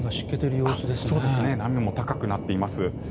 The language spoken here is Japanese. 波も高くなっています。